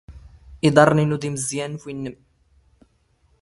ⵉⴹⴰⵕⵏ ⵉⵏⵓ ⴷ ⵉⵎⵥⵥⵢⴰⵏⵏ ⴼ ⵡⵉⵏⵏⵎ.